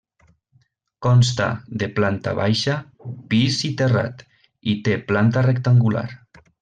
Consta de planta baixa, pis i terrat i té planta rectangular.